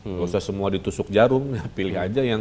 nggak usah semua ditusuk jarum pilih aja yang